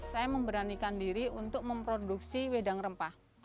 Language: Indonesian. saya memberanikan diri untuk memproduksi wedang rempah